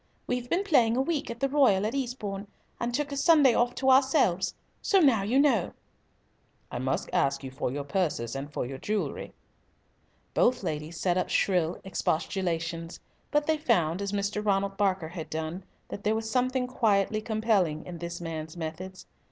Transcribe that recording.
We've been playing a week at the Royal at Eastbourne, and took a Sunday off to ourselves. So now you know!" "I must ask you for your purses and for your jewellery." Both ladies set up shrill expostulations, but they found, as Mr. Ronald Barker had done, that there was something quietly compelling in this man's methods.